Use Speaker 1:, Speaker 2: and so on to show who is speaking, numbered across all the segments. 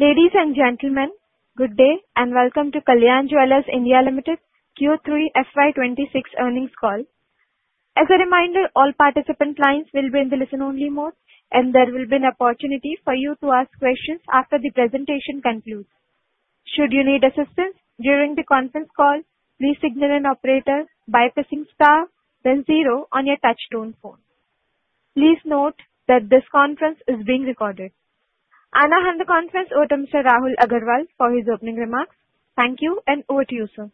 Speaker 1: Ladies and gentlemen, good day and welcome to Kalyan Jewellers India Limited Q3 FY 2026 earnings call. As a reminder, all participant lines will be in the listen-only mode, and there will be an opportunity for you to ask questions after the presentation concludes. Should you need assistance during the conference call, please signal an operator by pressing star zero on your touch-tone phone. Please note that this conference is being recorded. Ana, hand the conference over to Mr. Rahul Agarwal for his opening remarks. Thank you, and over to you, sir.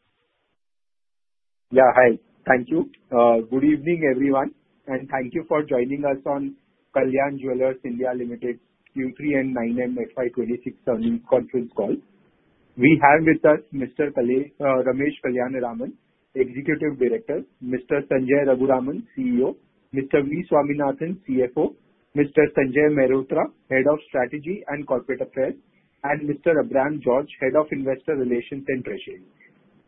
Speaker 2: Yeah, hi. Thank you. Good evening, everyone, and thank you for joining us on Kalyan Jewellers India Limited Q3 and 9M FY 2026 earnings conference call. We have with us Mr. Ramesh Kalyanaraman, Executive Director, Mr. Sanjay Raghuraman, CEO, Mr. V. Swaminathan, CFO, Mr. Sanjay Mehrotra, Head of Strategy and Corporate Affairs, and Mr. Abraham George, Head of Investor Relations and Treasury.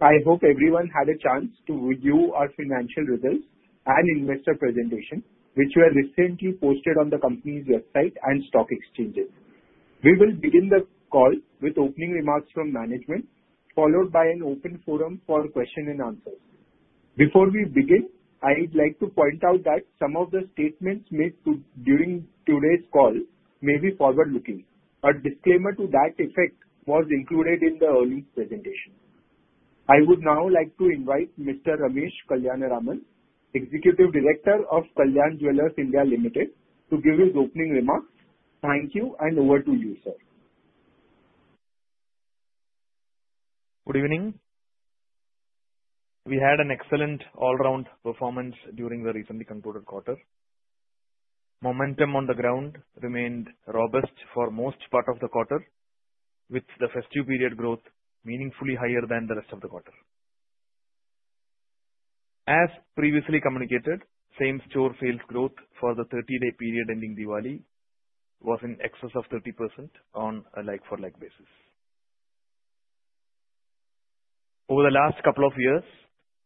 Speaker 2: I hope everyone had a chance to review our financial results and investor presentation, which were recently posted on the company's website and stock exchanges. We will begin the call with opening remarks from management, followed by an open forum for questions and answers. Before we begin, I'd like to point out that some of the statements made during today's call may be forward-looking. A disclaimer to that effect was included in the earnings presentation. I would now like to invite Mr. Ramesh Kalyanaraman, Executive Director of Kalyan Jewellers India Limited, to give his opening remarks. Thank you, and over to you, sir.
Speaker 3: Good evening. We had an excellent all-round performance during the recently concluded quarter. Momentum on the ground remained robust for most part of the quarter, with the festive period growth meaningfully higher than the rest of the quarter. As previously communicated, same-store sales growth for the 30-day period ending Diwali was in excess of 30% on a like-for-like basis. Over the last couple of years,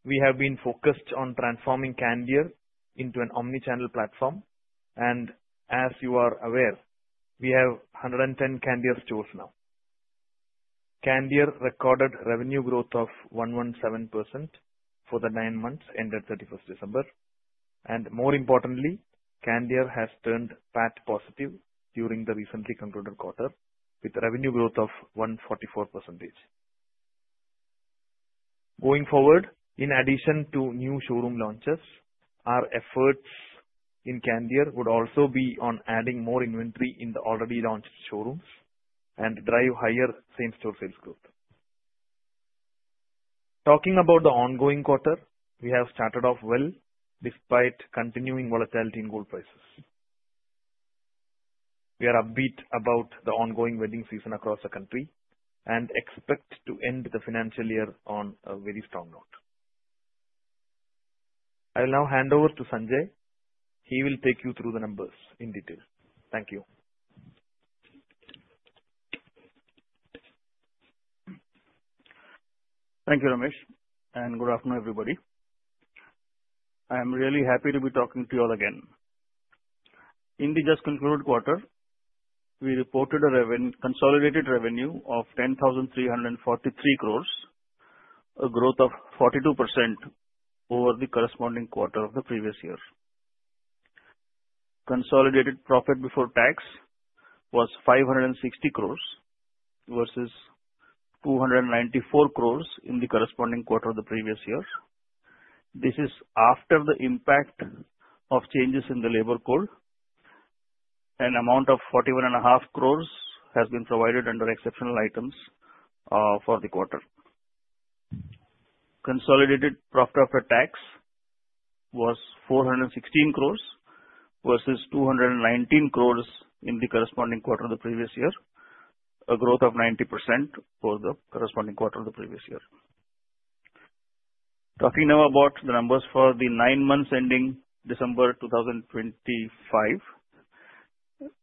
Speaker 3: we have been focused on transforming Candere into an omnichannel platform, and as you are aware, we have 110 Candere stores now. Candere recorded revenue growth of 117% for the nine months ended 31st December, and more importantly, Candere has turned PAT-positive during the recently concluded quarter, with revenue growth of 144%. Going forward, in addition to new showroom launches, our efforts in Candere would also be on adding more inventory in the already launched showrooms and drive higher same-store sales growth. Talking about the ongoing quarter, we have started off well despite continuing volatility in gold prices. We are upbeat about the ongoing wedding season across the country and expect to end the financial year on a very strong note. I will now hand over to Sanjay. He will take you through the numbers in detail. Thank you.
Speaker 4: Thank you, Ramesh, and good afternoon, everybody. I am really happy to be talking to you all again. In the just-concluded quarter, we reported a revenue consolidated revenue of 10,343 crores, a growth of 42% over the corresponding quarter of the previous year. Consolidated profit before tax was 560 crores versus 294 crores in the corresponding quarter of the previous year. This is after the impact of changes in the labor code. An amount of 41.5 crores has been provided under exceptional items for the quarter. Consolidated profit after tax was 416 crores versus 219 crores in the corresponding quarter of the previous year, a growth of 90% for the corresponding quarter of the previous year. Talking now about the numbers for the nine months ending December 2025,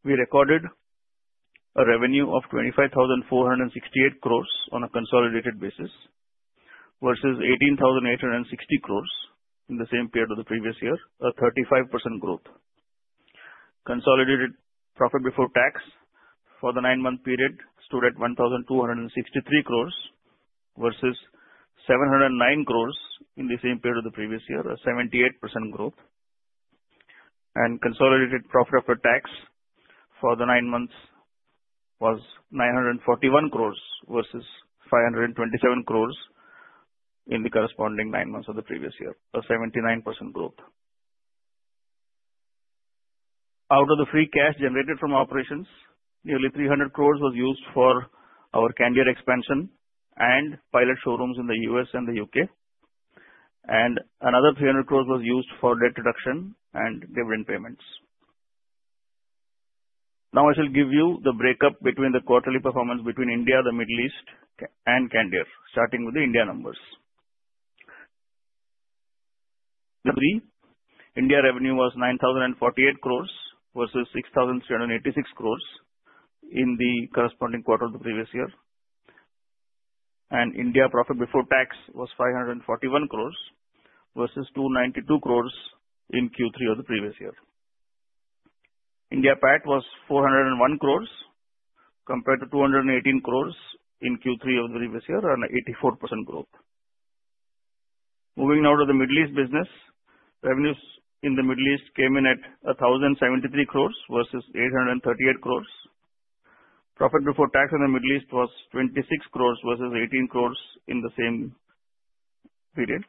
Speaker 4: we recorded a revenue of 25,468 crore on a consolidated basis versus 18,860 crore in the same period of the previous year, a 35% growth. Consolidated profit before tax for the nine-month period stood at 1,263 crore versus 709 crore in the same period of the previous year, a 78% growth. Consolidated profit after tax for the nine months was 941 crore versus 527 crore in the corresponding nine months of the previous year, a 79% growth. Out of the free cash generated from operations, nearly 300 crore was used for our Candere expansion and pilot showrooms in the U.S. and the U.K., and another 300 crore was used for debt reduction and dividend payments. Now I shall give you the breakup between the quarterly performance between India, the Middle East, and Candere, starting with the India numbers. In Q3, India revenue was 9,048 crores versus 6,386 crores in the corresponding quarter of the previous year, and India profit before tax was 541 crores versus 292 crores in Q3 of the previous year. India PAT was 401 crores compared to 218 crores in Q3 of the previous year, an 84% growth. Moving now to the Middle East business, revenues in the Middle East came in at 1,073 crores versus 838 crores. Profit before tax in the Middle East was 26 crores versus 18 crores in the same period.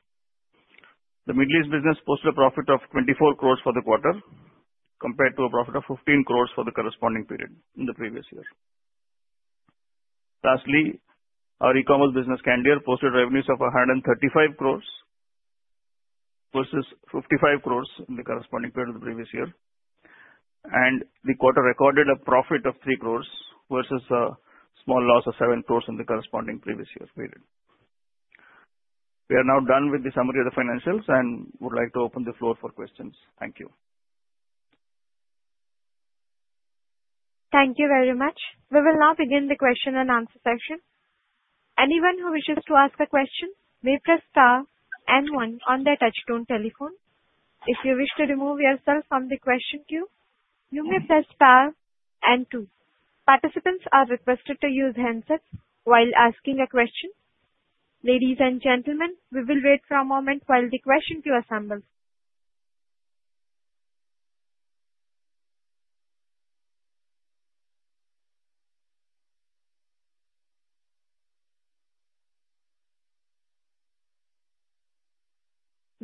Speaker 4: The Middle East business posted a profit of 24 crores for the quarter compared to a profit of 15 crores for the corresponding period in the previous year. Lastly, our e-commerce business, Candere, posted revenues of 135 crores versus 55 crores in the corresponding period of the previous year, and the quarter recorded a profit of 3 crores versus a small loss of 7 crores in the corresponding previous year period. We are now done with the summary of the financials and would like to open the floor for questions. Thank you.
Speaker 1: Thank you very much. We will now begin the question-and-answer section. Anyone who wishes to ask a question may press star one on their touch-tone telephone. If you wish to remove yourself from the question queue, you may press star two. Participants are requested to use headsets while asking a question. Ladies and gentlemen, we will wait for a moment while the question queue assembles.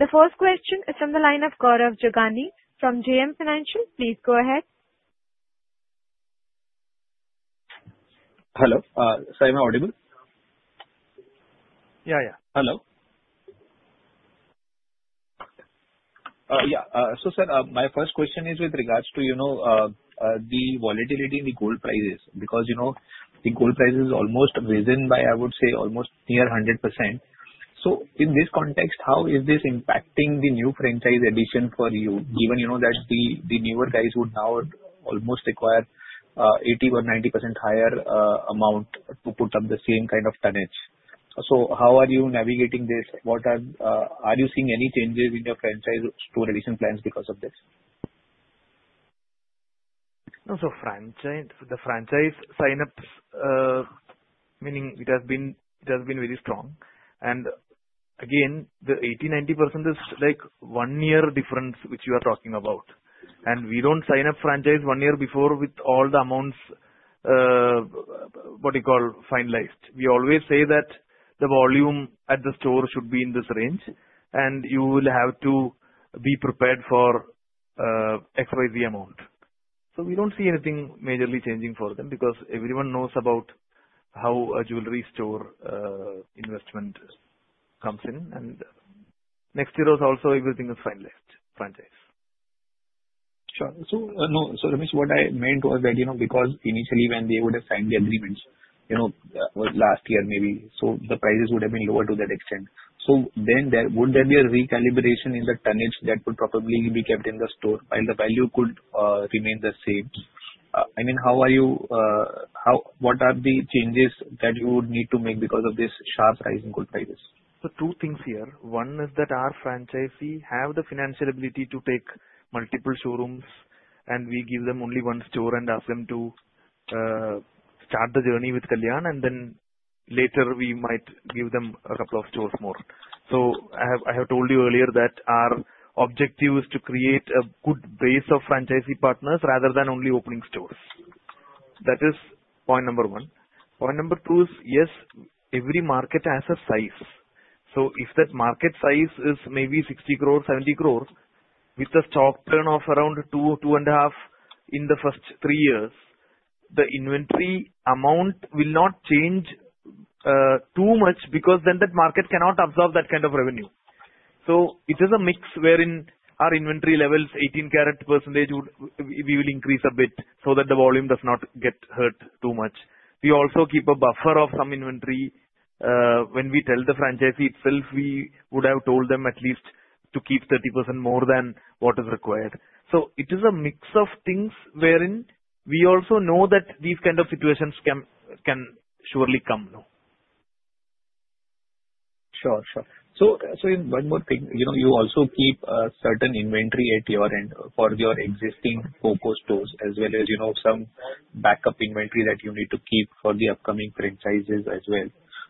Speaker 1: The first question is from the line of Gaurav Jogani from JM Financial. Please go ahead.
Speaker 5: Hello. So am I audible?
Speaker 3: Yeah, yeah.
Speaker 5: Hello? Yeah. So, sir, my first question is with regards to, you know, the volatility in the gold prices, because, you know, the gold price is almost risen by, I would say, almost near 100%. So, in this context, how is this impacting the new franchise addition for you, given, you know, that the newer guys would now almost require 80% or 90% higher amount to put up the same kind of tonnage? So, how are you navigating this? What are you seeing any changes in your franchise store addition plans because of this?
Speaker 3: So franchise sign-ups, meaning it has been very strong. And again, the 80%-90% is, like, one-year difference which you are talking about. And we don't sign up franchise one year before with all the amounts, what do you call, finalized. We always say that the volume at the store should be in this range, and you will have to be prepared for XYZ amount. So we don't see anything majorly changing for them because everyone knows about how a jewelry store investment comes in. And next year also everything is finalized, franchise.
Speaker 5: Sure. So, no. So Ramesh, what I meant was that, you know, because initially when they would have signed the agreements, you know, last year maybe, so the prices would have been lower to that extent. So then there would be a recalibration in the tonnage that would probably be kept in the store while the value could remain the same? I mean, how, what are the changes that you would need to make because of this sharp rise in gold prices?
Speaker 3: So two things here. One is that our franchisee have the financial ability to take multiple showrooms, and we give them only one store and ask them to start the journey with Kalyan, and then later we might give them a couple of stores more. So I have told you earlier that our objective is to create a good base of franchisee partners rather than only opening stores. That is point number one. Point number two is, yes, every market has a size. So if that market size is maybe 60 crore, 70 crore, with a stock turnover around 2-2.5 in the first three years, the inventory amount will not change too much because then that market cannot absorb that kind of revenue. So it is a mix wherein our inventory levels, 18-karat percentage, would we will increase a bit so that the volume does not get hurt too much. We also keep a buffer of some inventory. When we tell the franchisee itself, we would have told them at least to keep 30% more than what is required. So it is a mix of things wherein we also know that these kind of situations can, can surely come, you know.
Speaker 5: Sure, sure. So, so one more thing. You know, you also keep certain inventory at your end for your existing COCO stores as well as, you know, some backup inventory that you need to keep for the upcoming franchises as well.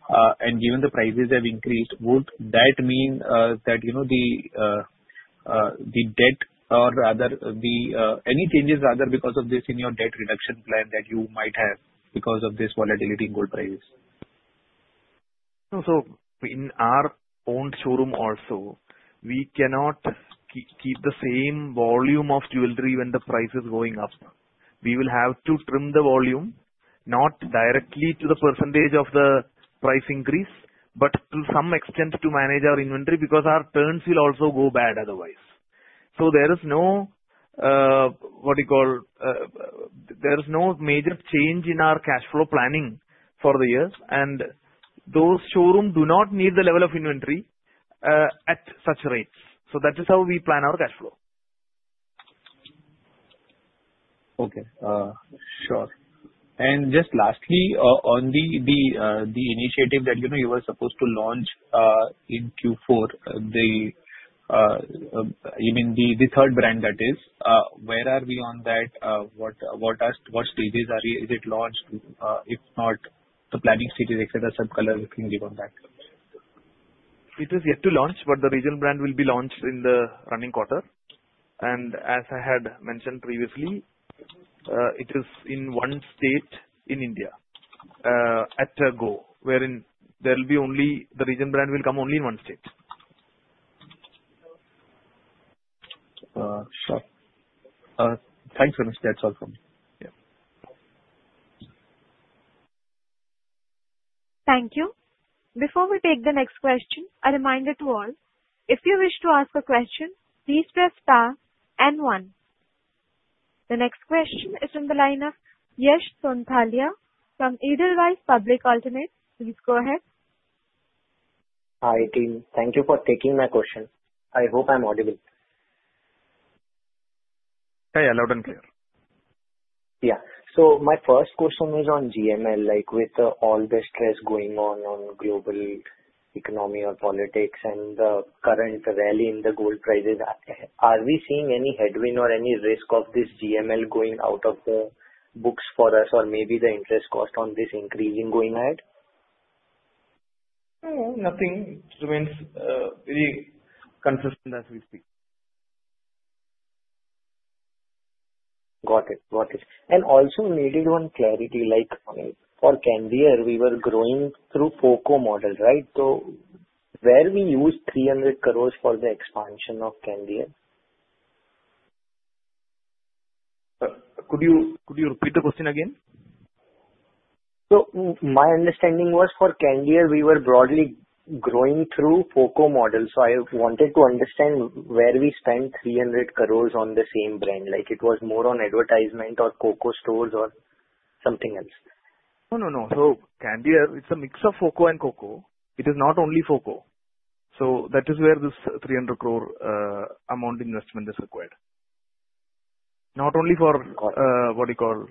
Speaker 5: And given the prices have increased, would that mean that, you know, the, the debt or rather the, any changes rather because of this in your debt reduction plan that you might have because of this volatility in gold prices?
Speaker 3: No, so in our own showroom also, we cannot keep the same volume of jewelry when the price is going up. We will have to trim the volume, not directly to the percentage of the price increase, but to some extent to manage our inventory because our turns will also go bad otherwise. So there is no, what do you call, there is no major change in our cash flow planning for the year, and those showrooms do not need the level of inventory, at such rates. So that is how we plan our cash flow.
Speaker 5: Okay. Sure. And just lastly, on the initiative that, you know, you were supposed to launch in Q4, you mean the third brand, where are we on that? What stage are you at? Is it launched? If not, the planning stages, etc., such other things beyond that.
Speaker 3: It is yet to launch, but the regional brand will be launched in the running quarter. As I had mentioned previously, it is in one state in India, in Goa, wherein there will be only the regional brand will come only in one state.
Speaker 5: Sure. Thanks, Ramesh. That's all from me.
Speaker 3: Yeah.
Speaker 1: Thank you. Before we take the next question, a reminder to all: if you wish to ask a question, please press star 1. The next question is from the line of Yash Sonthaliya from Edelweiss Financial Services. Please go ahead.
Speaker 6: Hi, team. Thank you for taking my question. I hope I'm audible.
Speaker 3: Hey. Loud and clear.
Speaker 6: Yeah. So my first question is on GML, like, with all the stress going on, on global economy or politics and the current rally in the gold prices, are we seeing any headwind or any risk of this GML going out of the books for us or maybe the interest cost on this increasing going ahead?
Speaker 3: No, nothing remains, very consistent as we speak.
Speaker 6: Got it. Got it. Also needed one clarity. Like, for Candere, we were growing through FOCO model, right? So where we used 300 crore for the expansion of Candere.
Speaker 7: Could you repeat the question again?
Speaker 6: My understanding was for Candere, we were broadly growing through FOCO model. I wanted to understand where we spent 300 crore on the same brand. Like, it was more on advertisement or COCO stores or something else.
Speaker 7: No, no, no. So Candere, it's a mix of FOCO and COCO. It is not only FOCO. So that is where this 300 crore amount investment is required. Not only for, what do you call,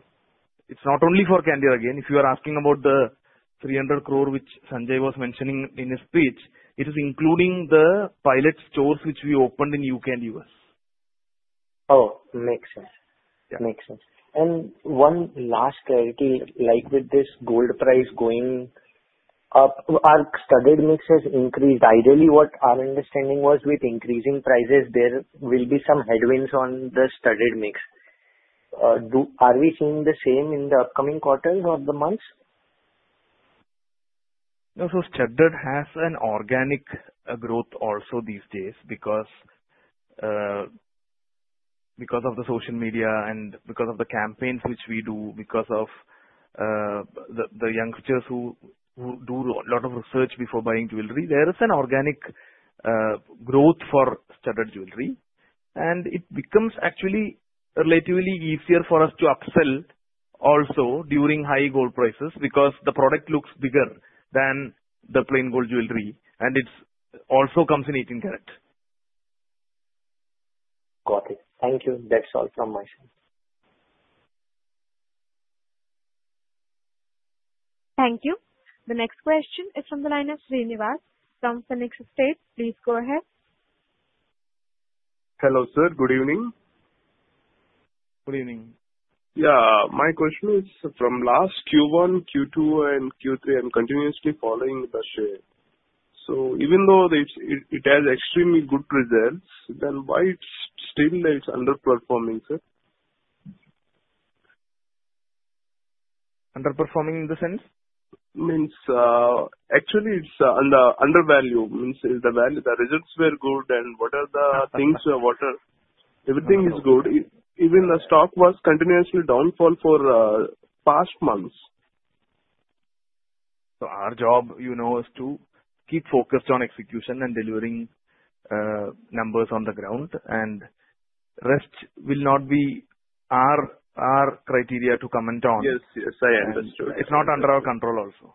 Speaker 7: it's not only for Candere again. If you are asking about the 300 crore which Sanjay was mentioning in his speech, it is including the pilot stores which we opened in U.K. and U.S.
Speaker 6: Oh, makes sense. Makes sense. And one last clarity, like, with this gold price going up, our studded mix has increased ideally. What our understanding was with increasing prices, there will be some headwinds on the studded mix. Are we seeing the same in the upcoming quarters or the months?
Speaker 7: No, so studded has an organic growth also these days because of the social media and because of the campaigns which we do, because of the youngsters who do a lot of research before buying jewelry, there is an organic growth for studded jewelry. And it becomes actually relatively easier for us to upsell also during high gold prices because the product looks bigger than the plain gold jewelry, and it also comes in 18-karat.
Speaker 6: Got it. Thank you. That's all from my side.
Speaker 1: Thank you. The next question is from the line of Srinivas from Phoenix Estate, please go ahead.
Speaker 8: Hello, sir. Good evening.
Speaker 3: Good evening.
Speaker 8: Yeah. My question is from last Q1, Q2, and Q3, I'm continuously following the share. So even though it has extremely good results, then why it's still underperforming, sir?
Speaker 3: Underperforming in the sense?
Speaker 8: Means, actually it's undervalued. Means is the value the results were good, and what are the things what are everything is good. Even the stock was continuously downfall for past months.
Speaker 3: Our job, you know, is to keep focused on execution and delivering numbers on the ground, and rest will not be our criteria to comment on.
Speaker 8: Yes, yes. I understood.
Speaker 3: It's not under our control also.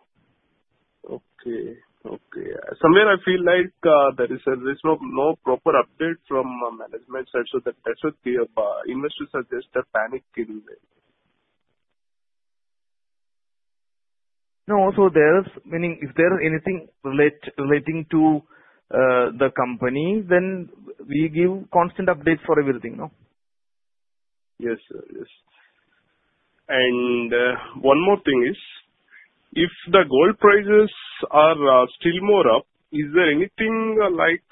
Speaker 8: Okay. Somewhere I feel like, there is no proper update from management side so that's what the investors are just panicking.
Speaker 3: No. So there is meaning if there is anything relating to the company, then we give constant updates for everything, no?
Speaker 8: Yes, sir. Yes. And one more thing is if the gold prices are still more up, is there anything like,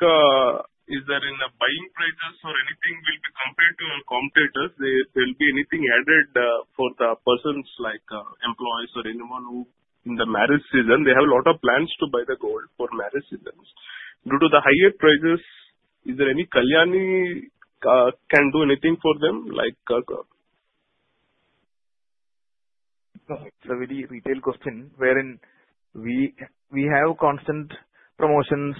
Speaker 8: is there in the buying prices or anything will be compared to competitors, there will be anything added, for the persons like employees or anyone who in the marriage season, they have a lot of plans to buy the gold for marriage seasons. Due to the higher prices, is there any Kalyan can do anything for them? Like,
Speaker 3: Sorry. So very retail question wherein we have constant promotions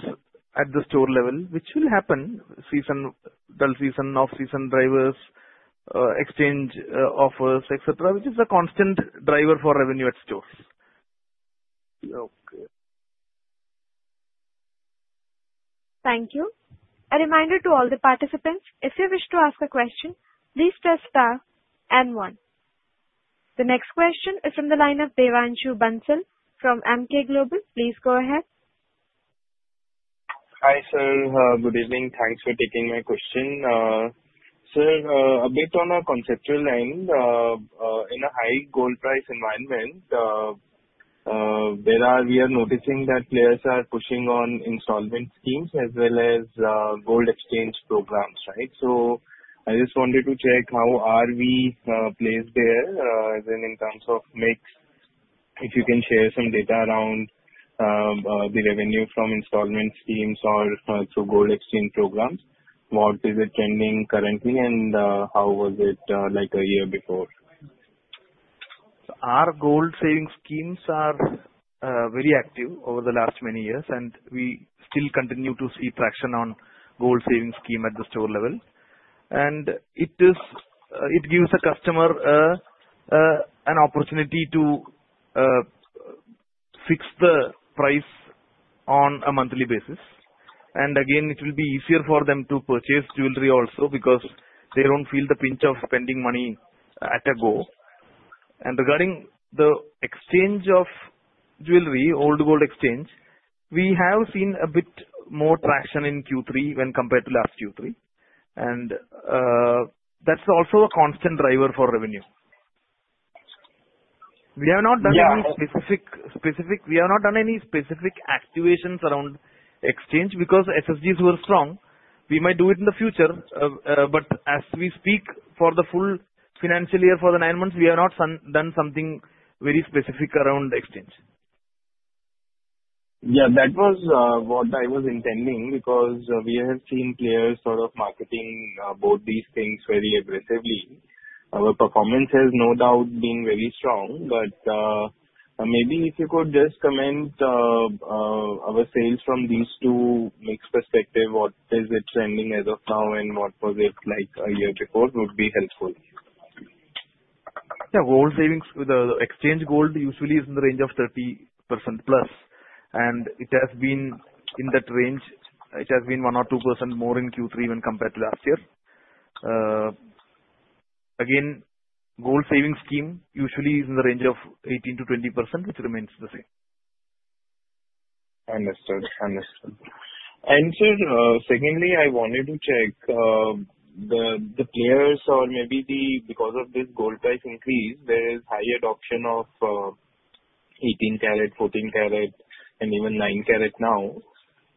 Speaker 3: at the store level which will happen season, wedding season, off-season drivers, exchange, offers, etc., which is a constant driver for revenue at stores.
Speaker 8: Okay.
Speaker 1: Thank you. A reminder to all the participants: if you wish to ask a question, please press star one. The next question is from the line of Devanshu Bansal from Emkay Global. Please go ahead.
Speaker 9: Hi, Sir. Good evening. Thanks for taking my question. Sir, a bit on a conceptual end, in a high gold price environment, we are noticing that players are pushing on installment schemes as well as gold exchange programs, right? So I just wanted to check how we are placed there, as in terms of mix. If you can share some data around the revenue from installment schemes or through gold exchange programs, what is it trending currently, and how was it like a year before?
Speaker 7: Our gold saving schemes are very active over the last many years, and we still continue to see traction on gold saving scheme at the store level. And it is, it gives a customer an opportunity to fix the price on a monthly basis. And again, it will be easier for them to purchase jewelry also because they don't feel the pinch of spending money at a go. And regarding the exchange of jewelry, old gold exchange, we have seen a bit more traction in Q3 when compared to last Q3. And that's also a constant driver for revenue. We have not done any specific activations around exchange because SSGs were strong. We might do it in the future, but as we speak for the full financial year for the nine months, we have not done something very specific around exchange.
Speaker 9: Yeah. That was what I was intending because we have seen players sort of marketing both these things very aggressively. Our performance has no doubt been very strong, but maybe if you could just comment our sales from these two mix perspective, what is it trending as of now, and what was it like a year before would be helpful.
Speaker 7: Yeah. Gold savings, the exchange gold usually is in the range of 30%+. It has been in that range. It has been 1% or 2% more in Q3 when compared to last year. Again, gold saving scheme usually is in the range of 18%-20%, which remains the same.
Speaker 9: Understood. Understood. And sir, secondly, I wanted to check the plans or maybe there because of this gold price increase, there is high adoption of 18-karat, 14-karat, and even 9-karat now.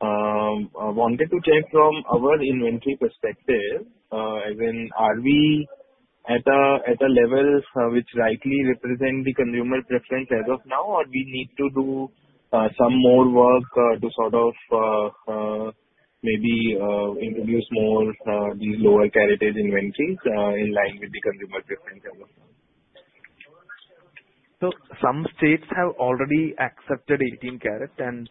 Speaker 9: I wanted to check from our inventory perspective, as in are we at a level which rightly represent the consumer preference as of now, or we need to do some more work to sort of maybe introduce more these lower-karat inventories in line with the consumer preference as of now?
Speaker 7: So some states have already accepted 18-karat, and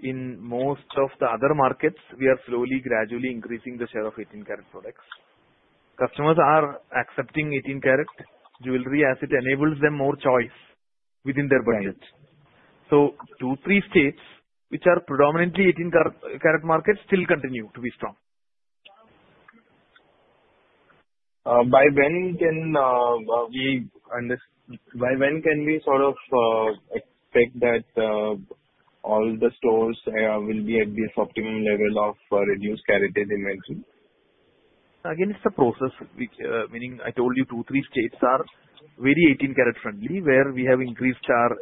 Speaker 7: in most of the other markets, we are slowly, gradually increasing the share of 18-karat products. Customers are accepting 18-karat jewelry as it enables them more choice within their budget. So two, three states which are predominantly 18-karat markets still continue to be strong.
Speaker 9: By when can we sort of expect that all the stores will be at this optimum level of reduced-karat inventory?
Speaker 7: Again, it's a process which, meaning I told you two to three states are very 18-karat friendly where we have increased our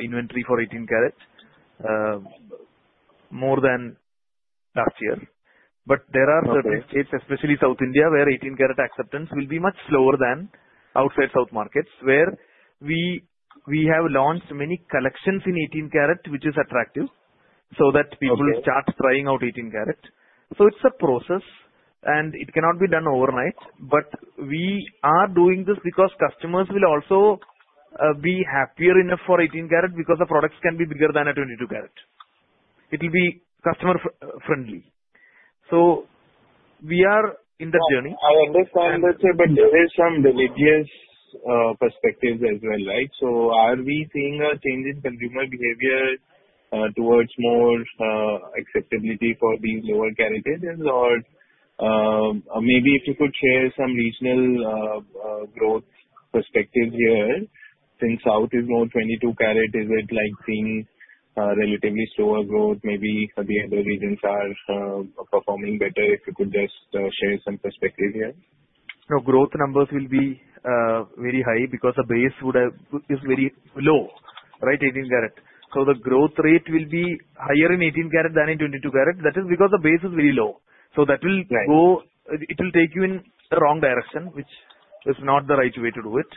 Speaker 7: inventory for 18-karat more than last year. But there are certain states, especially South India, where 18-karat acceptance will be much slower than outside South markets where we have launched many collections in 18-karat which is attractive so that people start trying out 18-karat. So it's a process, and it cannot be done overnight, but we are doing this because customers will also be happier enough for 18-karat because the products can be bigger than a 22-karat. It will be customer-friendly. So we are in that journey.
Speaker 9: I understand that, sir, but there is some religious perspectives as well, right? So are we seeing a change in consumer behavior, towards more, acceptability for these lower-karat, or, maybe if you could share some regional, growth perspective here since South is more 22-karat, is it like seeing, relatively slower growth? Maybe the other regions are, performing better. If you could just, share some perspective here.
Speaker 7: No. Growth numbers will be very high because the base would have is very low, right, 18-karat. So the growth rate will be higher in 18-karat than in 22-karat. That is because the base is very low. So that will go.
Speaker 9: Right.
Speaker 7: It will take you in the wrong direction which is not the right way to do it.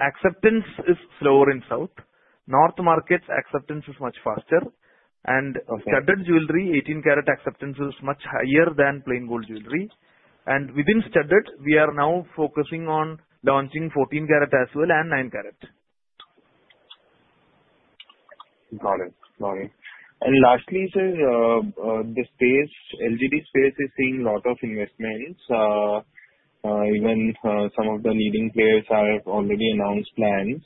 Speaker 7: Acceptance is slower in South. North markets, acceptance is much faster. Studded jewelry, 18-karat acceptance is much higher than plain gold jewelry. Within studded, we are now focusing on launching 14-karat as well and 9-karat.
Speaker 9: Got it. Got it. And lastly, sir, the LGD space is seeing a lot of investments. Even, some of the leading players have already announced plans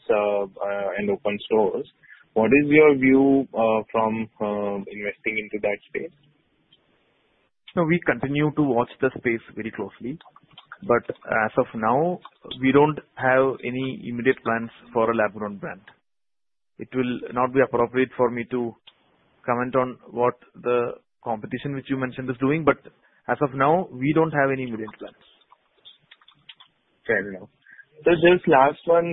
Speaker 9: and opened stores. What is your view from investing into that space?
Speaker 7: We continue to watch the space very closely. As of now, we don't have any immediate plans for a Lab-grown brand. It will not be appropriate for me to comment on what the competition which you mentioned is doing, but as of now, we don't have any immediate plans.
Speaker 9: Fair enough. Sir, just last one,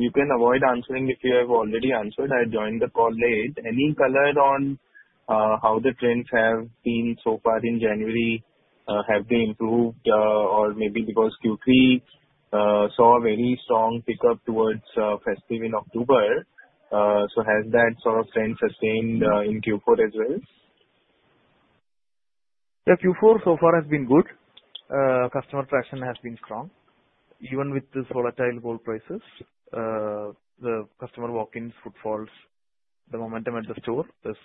Speaker 9: you can avoid answering if you have already answered. I joined the call late. Any color on how the trends have been so far in January? Have they improved, or maybe because Q3 saw a very strong pickup towards festival in October? So has that sort of trend sustained in Q4 as well?
Speaker 7: Yeah. Q4 so far has been good. Customer traction has been strong. Even with the volatile gold prices, the customer walk-ins, footfalls, the momentum at the store is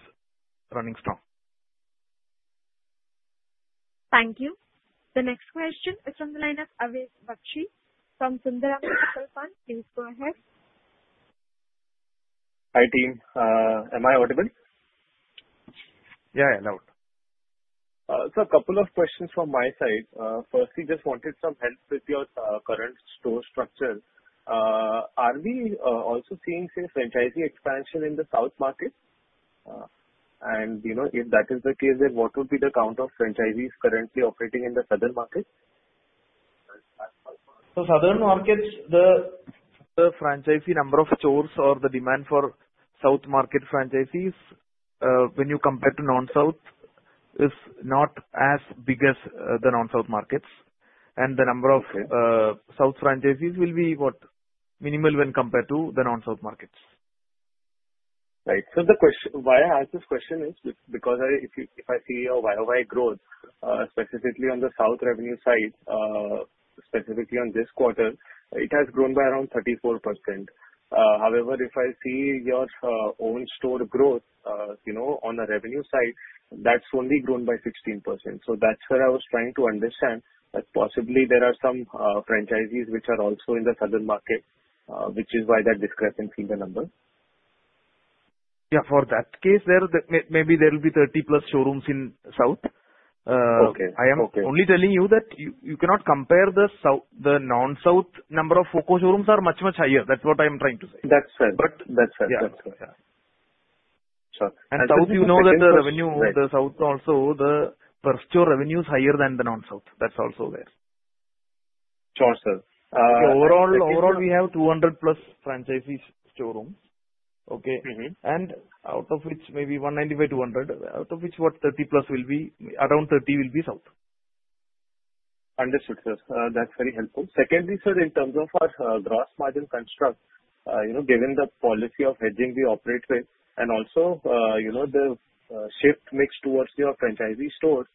Speaker 7: running strong.
Speaker 1: Thank you. The next question is from the line of Rashim Bakshi. From Sundaram Mutual Fund, please go ahead.
Speaker 10: Hi, team. Am I audible?
Speaker 3: Yeah. Yeah. Loud.
Speaker 10: Sir, a couple of questions from my side. Firstly, just wanted some help with your current store structure. Are we also seeing, say, franchisee expansion in the South market? And, you know, if that is the case, then what would be the count of franchisees currently operating in the Southern markets?
Speaker 7: Southern markets, the franchisee number of stores or the demand for South market franchisees, when you compare to non-South, is not as big as the non-South markets. The number of South franchisees will be what? Minimal when compared to the non-South markets.
Speaker 10: Right. So the question why I ask this question is because if I see your YoY growth, specifically on the South revenue side, specifically on this quarter, it has grown by around 34%. However, if I see your own store growth, you know, on the revenue side, that's only grown by 16%. So that's where I was trying to understand that possibly there are some franchisees which are also in the Southern market, which is why that discrepancy in the number.
Speaker 7: Yeah. For that case, maybe there will be 30+ showrooms in South.
Speaker 10: Okay. Okay.
Speaker 7: I am only telling you that you, you cannot compare the South, the non-South number of FOCO showrooms are much, much higher. That's what I am trying to say.
Speaker 10: That's fair.
Speaker 7: But that's fair. That's fair.
Speaker 10: Yeah. Yeah.
Speaker 7: Sure. And South, you know that the revenue the South also, the per store revenue is higher than the non-South. That's also there.
Speaker 10: Sure, sir.
Speaker 7: Overall, overall, we have 200+ franchisee showrooms. Okay?
Speaker 10: Mm-hmm.
Speaker 7: Out of which maybe 190-200, out of which what? 30+ will be around 30 will be South.
Speaker 10: Understood, sir. That's very helpful. Secondly, sir, in terms of our gross margin construct, you know, given the policy of hedging we operate with and also, you know, the shift mix towards your franchisee stores,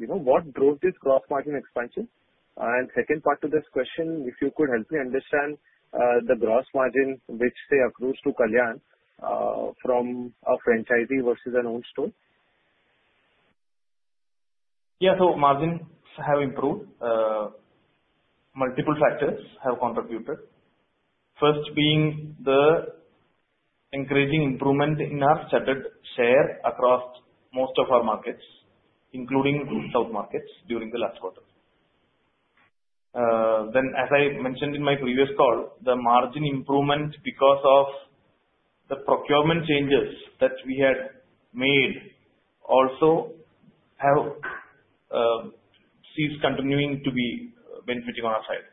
Speaker 10: you know, what drove this gross margin expansion? And second part to this question, if you could help me understand the gross margin which, say, accrues to Kalyan from a franchisee versus an own store?
Speaker 7: Yeah. So margins have improved. Multiple factors have contributed. First being the increasing improvement in our studded share across most of our markets, including South markets, during the last quarter. Then as I mentioned in my previous call, the margin improvement because of the procurement changes that we had made also have, seems continuing to be benefiting on our side.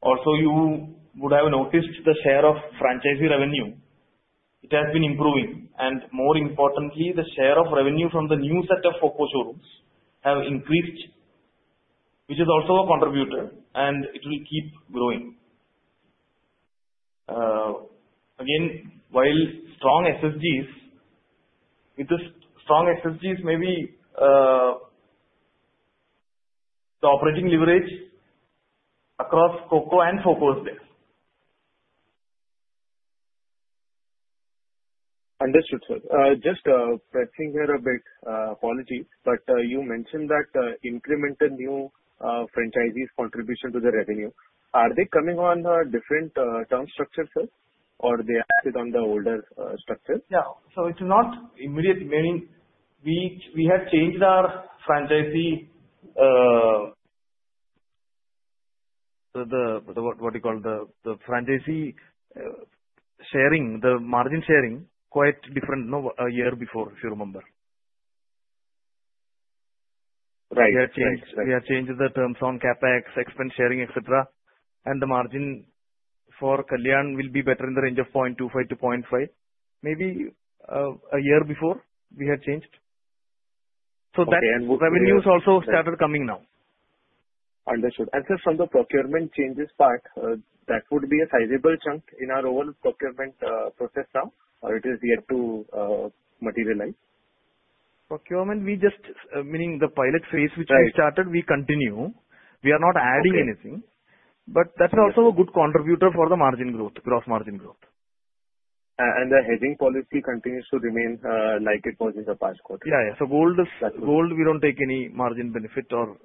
Speaker 7: Also, you would have noticed the share of franchisee revenue. It has been improving. And more importantly, the share of revenue from the new set of FOCO showrooms have increased, which is also a contributor, and it will keep growing. Again, while strong SSGs with the strong SSGs maybe, the operating leverage across COCO and FOCO is there.
Speaker 10: Understood, sir. Just pressing here a bit, apology, but you mentioned that incremental new franchisees contribution to the revenue. Are they coming on different term structures, sir, or they acted on the older structure?
Speaker 7: Yeah. So it's not immediate. Meaning we have changed our franchisee, so the what you call the franchisee sharing the margin sharing quite different than a year before, if you remember.
Speaker 10: Right. Right. Right.
Speaker 7: We have changed the terms on CapEx, expense sharing, etc. And the margin for Kalyan will be better in the range of 0.25-0.5, maybe, a year before we had changed. So that revenue is also started coming now.
Speaker 10: Understood. Sir, from the procurement changes part, that would be a sizable chunk in our overall procurement process now, or it is yet to materialize?
Speaker 7: Procurement, we just mean the pilot phase which we started. We continue. We are not adding anything. But that's also a good contributor for the margin growth, gross margin growth.
Speaker 10: The hedging policy continues to remain, like it was in the past quarter?
Speaker 7: Yeah. Yeah. So gold is gold, we don't take any margin benefit or,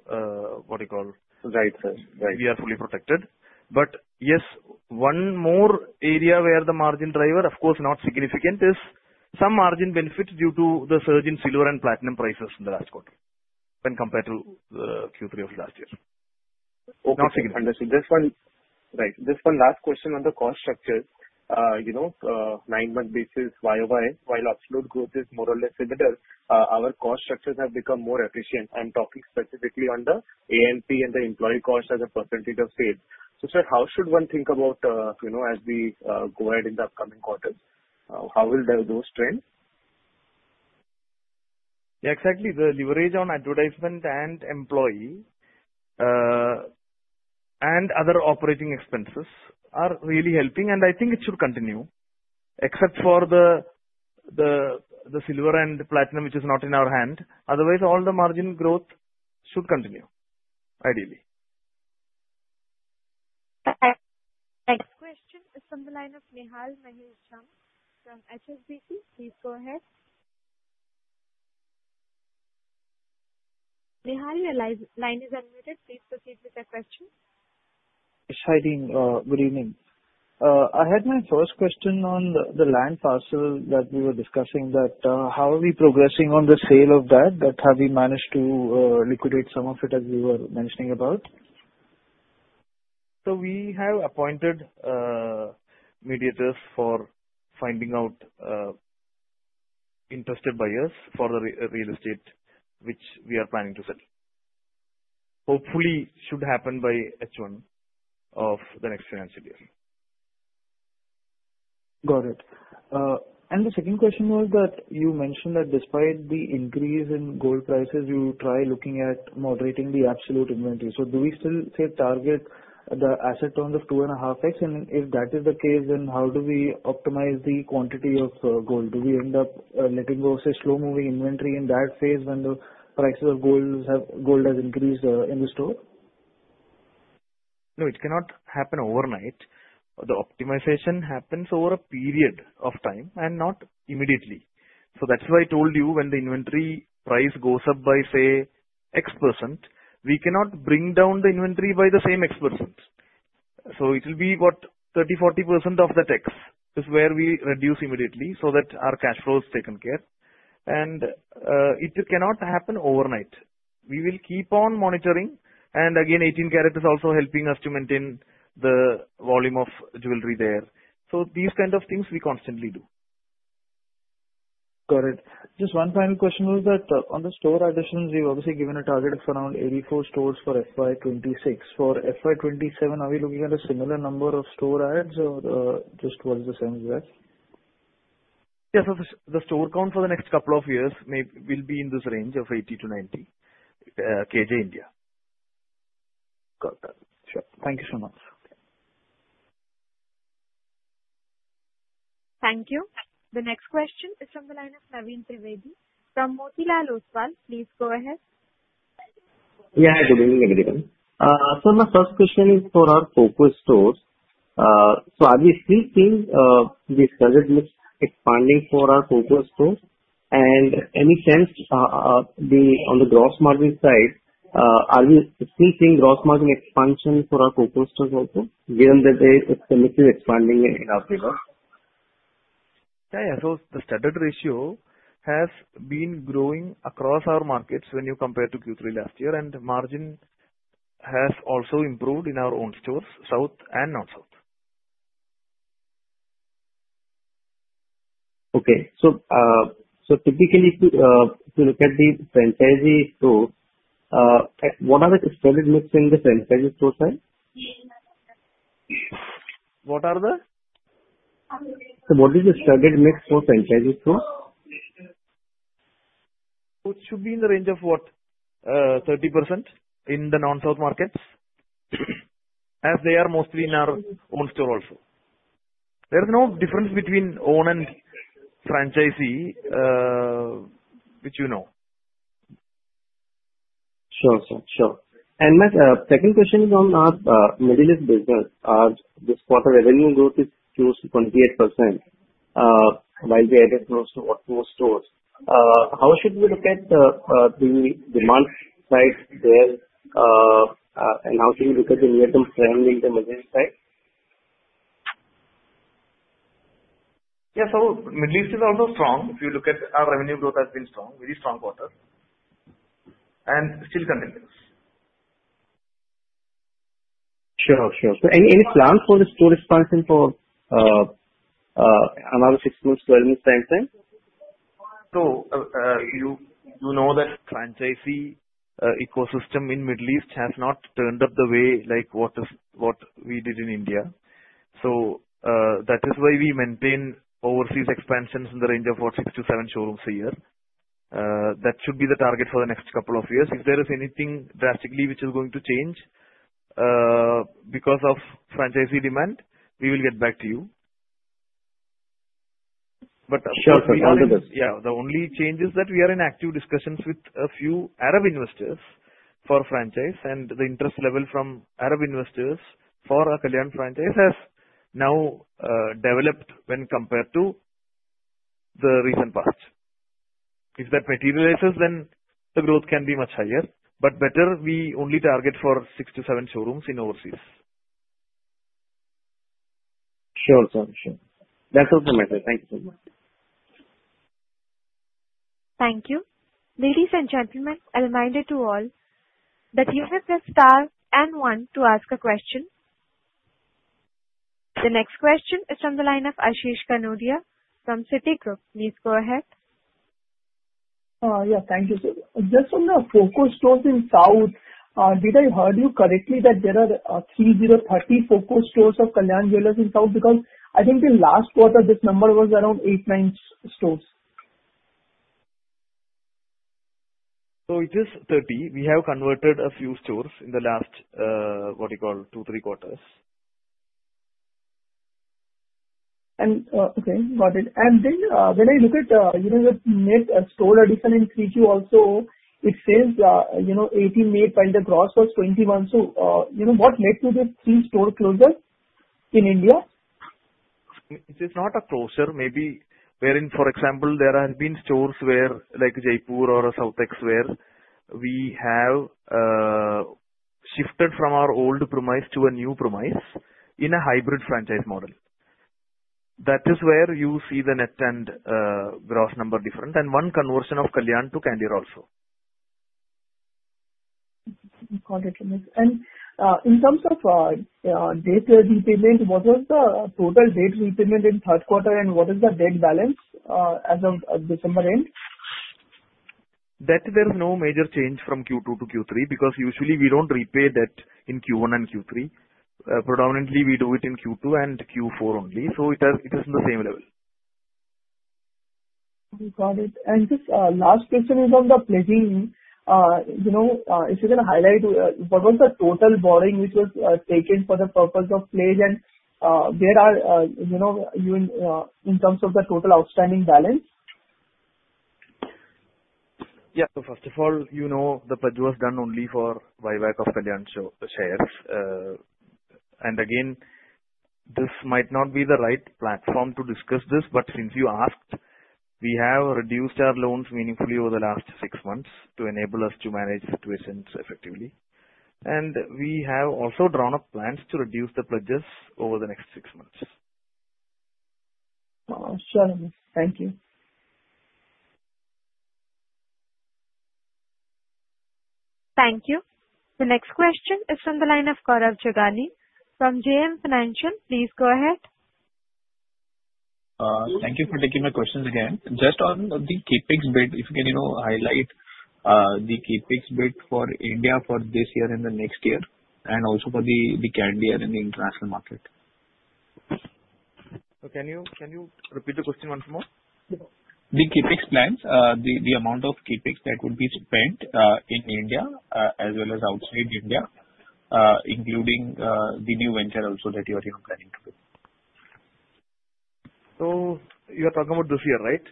Speaker 7: what you call.
Speaker 10: Right, sir. Right.
Speaker 7: We are fully protected. But yes, one more area where the margin driver, of course, not significant, is some margin benefit due to the surge in silver and platinum prices in the last quarter when compared to the Q3 of last year. Not significant.
Speaker 10: Okay. Understood. Just one, right? Just one last question on the cost structures. You know, on a nine-month basis, YoY, while absolute growth is more or less similar, our cost structures have become more efficient. I'm talking specifically on the A&P and the employee cost as a percentage of sales. So, sir, how should one think about, you know, as we go ahead in the upcoming quarters? How will those trend?
Speaker 7: Yeah. Exactly. The leverage on advertisement and employee, and other operating expenses are really helping, and I think it should continue, except for the silver and platinum which is not in our hand. Otherwise, all the margin growth should continue, ideally.
Speaker 1: Okay. Next question is from the line of Nihal Mahesh Jham from HSBC. Please go ahead. Nihal, your line is unmuted. Please proceed with your question.
Speaker 11: Hi, team. Good evening. I had my first question on the land parcel that we were discussing, how are we progressing on the sale of that? Have we managed to liquidate some of it as we were mentioning about?
Speaker 7: So we have appointed mediators for finding out interested buyers for the real estate which we are planning to sell. Hopefully, should happen by H1 of the next financial year.
Speaker 11: Got it. The second question was that you mentioned that despite the increase in gold prices, you try looking at moderating the absolute inventory. So do we still, say, target the asset turns of 2.5x? And if that is the case, then how do we optimize the quantity of gold? Do we end up letting go, say, slow-moving inventory in that phase when the prices of gold has increased in the store?
Speaker 7: No. It cannot happen overnight. The optimization happens over a period of time and not immediately. So that's why I told you when the inventory price goes up by, say, X%, we cannot bring down the inventory by the same X%. So it will be what? 30, 40% of that X is where we reduce immediately so that our cash flow is taken care. And it cannot happen overnight. We will keep on monitoring. And again, 18-karat is also helping us to maintain the volume of jewelry there. So these kind of things we constantly do.
Speaker 11: Got it. Just one final question: was that, on the store additions, you've obviously given a target of around 84 stores for FY 2026. For FY 2027, are we looking at a similar number of store adds, or just the same as that?
Speaker 7: Yes. So the store count for the next couple of years may be in this range of 80-90, KJ India.
Speaker 11: Got that. Sure. Thank you so much.
Speaker 1: Thank you. The next question is from the line of Naveen Trivedi. From Motilal Oswal, please go ahead.
Speaker 12: Yeah. Hi. Good evening, everyone. Sir, my first question is for our FOCO stores. So are we still seeing this budget mix expanding for our FOCO stores? And any sense on the gross margin side, are we still seeing gross margin expansion for our FOCO stores also, given that it's the mix is expanding in our payback?
Speaker 7: The studded ratio has been growing across our markets when you compare to Q3 last year, and margin has also improved in our own stores, South and non-South.
Speaker 12: Okay. So typically, if you look at the franchisee stores, what are the studded mix in the franchisee store side?
Speaker 7: What are the?
Speaker 12: What is the studded mix for franchisee stores?
Speaker 7: It should be in the range of what? 30% in the non-South markets, as they are mostly in our own store also. There is no difference between own and franchisee, which you know.
Speaker 12: Sure, sir. Sure. And my second question is on our Middle East business. This quarter revenue growth is close to 28%, while the added growth to FOCO stores. How should we look at the demand side there, and how should we look at the near-term trend in the Middle East side?
Speaker 7: Yeah. Middle East is also strong. If you look at our revenue growth, it has been strong, very strong quarter, and still continues.
Speaker 12: Sure. Sure. So any plans for the store expansion for another six months, 12 months time frame?
Speaker 7: So, you know that franchisee ecosystem in Middle East has not turned up the way, like, what is what we did in India. So, that is why we maintain overseas expansions in the range of six to seven showrooms a year. That should be the target for the next couple of years. If there is anything drastically which is going to change, because of franchisee demand, we will get back to you. But.
Speaker 12: Sure. Understood.
Speaker 7: Yeah. The only change is that we are in active discussions with a few Arab investors for franchise, and the interest level from Arab investors for our Kalyan franchise has now developed when compared to the recent past. If that materializes, then the growth can be much higher. But better, we only target for six to seven showrooms in overseas.
Speaker 12: Sure, sir. Sure. That's all from my side. Thank you so much.
Speaker 1: Thank you. Ladies and gentlemen, a reminder to all that you have the star and one to ask a question. The next question is from the line of Ashish Kanodia from Citi. Please go ahead.
Speaker 13: Yeah. Thank you, sir. Just on the FOCO stores in South, did I heard you correctly that there are 30, 30 FOCO stores of Kalyan Jewellers in South? Because I think the last quarter, this number was around 8, 9 stores.
Speaker 7: So it is 30. We have converted a few stores in the last, what you call? 2, 3 quarters.
Speaker 13: Okay. Got it. And then, when I look at, you know, you have made a store addition in 3Q also. It says, you know, 18 made, while the gross was 21. So, you know, what led to the three store closures in India?
Speaker 7: It is not a closure. Maybe wherein, for example, there have been stores where, like, Jaipur or South Ex, where we have shifted from our old premises to a new premises in a hybrid franchise model. That is where you see the net and gross numbers different and one conversion of Kalyan to Candere also.
Speaker 13: Got it. And in terms of debt repayment, what was the total debt repayment in third quarter, and what is the debt balance as of December end?
Speaker 7: Debt, there is no major change from Q2 to Q3 because usually, we don't repay debt in Q1 and Q3. Predominantly, we do it in Q2 and Q4 only. So it has it is in the same level.
Speaker 13: Okay. Got it. Just, last question is on the pledging. You know, if you can highlight what was the total borrowing which was taken for the purpose of pledge, and where are you in terms of the total outstanding balance?
Speaker 7: Yeah. So first of all, you know, the pledge was done only for buyback of Kalyan shares. And again, this might not be the right platform to discuss this, but since you asked, we have reduced our loans meaningfully over the last six months to enable us to manage situations effectively. We have also drawn up plans to reduce the pledges over the next six months.
Speaker 13: Oh, sure. Thank you.
Speaker 1: Thank you. The next question is from the line of Gaurav Jogani from JM Financial. Please go ahead.
Speaker 5: Thank you for taking my questions again. Just on the CapEx bid, if you can, you know, highlight the CapEx bid for India for this year and the next year and also for the Candere in the international market.
Speaker 7: So can you repeat the question once more?
Speaker 5: The CapEx plans, the amount of CapEx that would be spent in India, as well as outside India, including the new venture also that you are, you know, planning to do.
Speaker 7: You are talking about this year, right?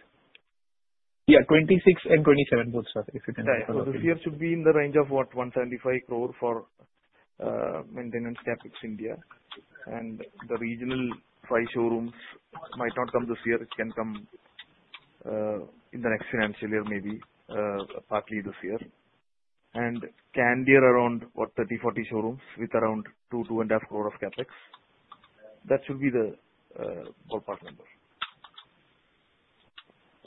Speaker 5: Yeah. 26 and 27 both, sir, if you can recall?
Speaker 7: Yeah. So this year should be in the range of what? 175 crore for maintenance CapEx India. And the regional five showrooms might not come this year. It can come in the next financial year maybe, partly this year. And Candere around what? 30 showrooms-40 showrooms with around 2 crore-2.5 crore of CapEx. That should be the ballpark number.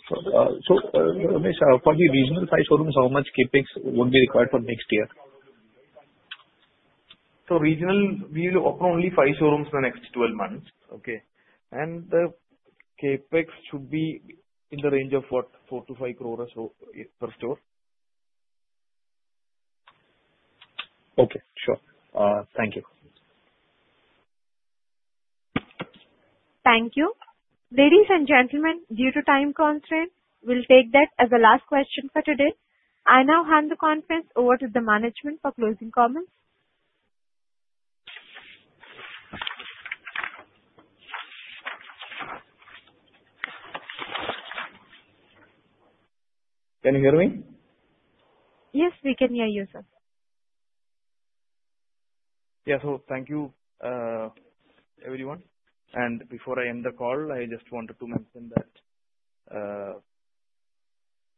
Speaker 5: Ramesh, for the regional 5 showrooms, how much CapEx would be required for next year?
Speaker 7: So regional, we will open only five showrooms in the next 12 months. Okay? The CapEx should be in the range of what? 4 crore-5 crore or so per store.
Speaker 5: Okay. Sure. Thank you.
Speaker 1: Thank you. Ladies and gentlemen, due to time constraints, we'll take that as a last question for today. I now hand the conference over to the management for closing comments.
Speaker 7: Can you hear me?
Speaker 1: Yes. We can hear you, sir.
Speaker 7: Yeah. So thank you, everyone. And before I end the call, I just wanted to mention that,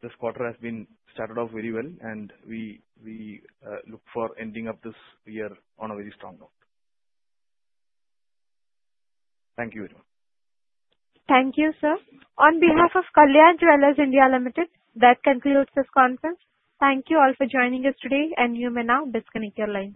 Speaker 7: this quarter has been started off very well, and we look for ending up this year on a very strong note. Thank you, everyone.
Speaker 1: Thank you, sir. On behalf of Kalyan Jewellers India Limited, that concludes this conference. Thank you all for joining us today, and you may now disconnect your line.